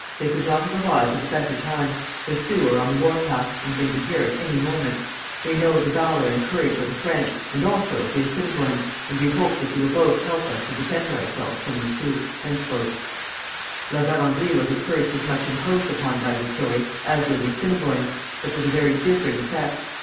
They could not have arrived at a better time. The Sioux are on the war path, and may be here at any moment. We know the valour and courage of the French, and also of the Assiniboines, and we hope that you will both help us to defend ourselves from the Sioux.' La Vérendrye was at first as much imposed upon by this story as were the Assiniboines, but with a very different effect.